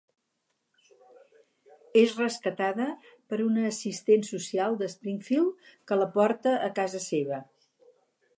És rescatada per una assistent social de Springfield, que la porta a casa seva.